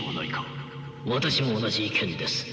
私も同じ意見です。